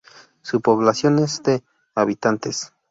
Su población en es de habitantes.